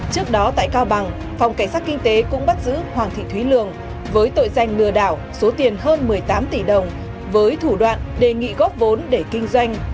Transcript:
trước đó tại cao bằng phòng cảnh sát kinh tế cũng bắt giữ hoàng thị thúy lường với tội danh lừa đảo số tiền hơn một mươi tám tỷ đồng với thủ đoạn đề nghị góp vốn để kinh doanh